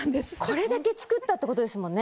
これだけ作ったってことですもんね。